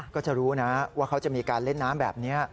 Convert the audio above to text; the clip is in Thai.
ก็จะรู้นะว่าเขาจะมีการเล่นน้ำแบบนี้